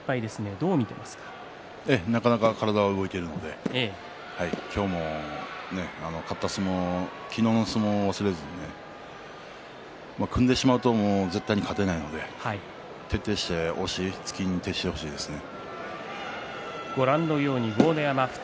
ここまで４勝１敗なかなか体が動いているので今日も昨日の勝った相撲を忘れずにね、組んでしまうと絶対に勝てないので押しと突きに徹底してほしいですね。